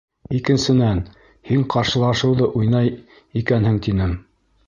Икенсенән, һин ҡаршылашыуҙы уйнай икәнһең тинем.